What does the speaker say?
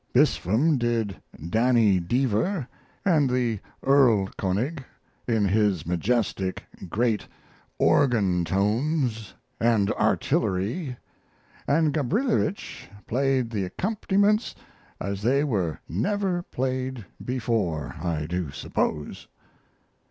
Bispham did "Danny Deever" and the "Erlkonig" in his majestic, great organ tones and artillery, and Gabrilowitsch played the accompaniments as they were never played before, I do suppose.